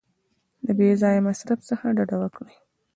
د بې ځایه مصرف څخه ډډه وکړئ.